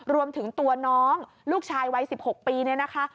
รวมถึงตัวน้องลูกชายวัย๑๖ปีเนี่ยนะคะ